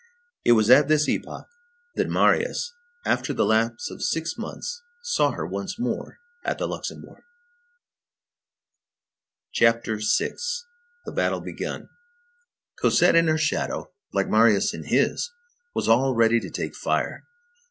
It was at this epoch that Marius, after the lapse of six months, saw her once more at the Luxembourg. CHAPTER VI—THE BATTLE BEGUN Cosette in her shadow, like Marius in his, was all ready to take fire.